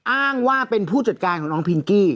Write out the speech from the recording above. อ้างว่าเป็นผู้จัดการของน้องพิงกี้